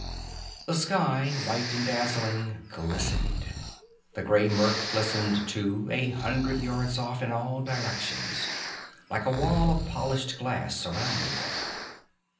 The sky, white and dazzling, glistened. The gray murk glistened too, a hundred yards off in all directions, like a wall of polished glass surrounding them.